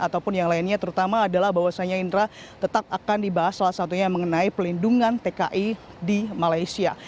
ataupun yang lainnya terutama adalah bahwasannya indra tetap akan dibahas salah satunya mengenai pelindungan tki di malaysia